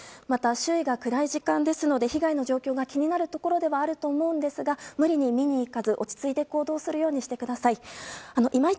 また、周囲が暗い時間ですので被害の状況が気になるところではあると思うんですが無理に見に行かず落ち着いて行動するようにしてください。